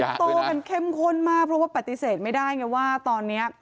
โตกันเข้มข้นมากเพราะว่าปฏิเสธไม่ได้ไงว่าตอนนี้